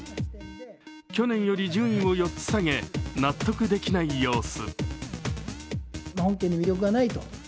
去年より順位を４つ下げ、納得できない様子。